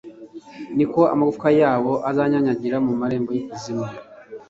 ni ko amagufwa yabo azanyanyagira mu marembo y’ikuzimu